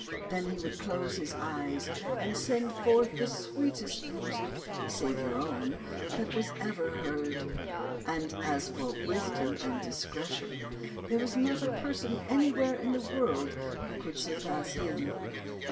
Then he would close his eyes and send forth the sweetest music, save your own, that was ever heard ; and as for wisdom and dis cretion, there was not a person anywhere in the world who could surpass him.